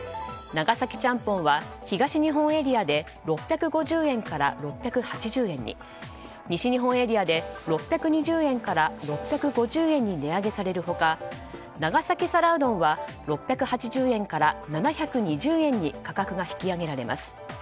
長崎ちゃんぽんは東日本エリアで６５０円から６８０円に西日本エリアで６２０円から６５０円に値上げされる他長崎皿うどんは６８０円から７２０円に価格が引き上げられます。